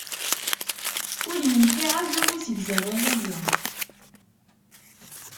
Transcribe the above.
Ur yenfiɛ azuḥ usegzawal-ayi.